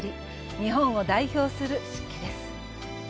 日本を代表する漆器です。